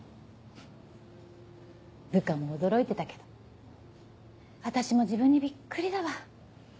フッ部下も驚いてたけど私も自分にビックリだわ。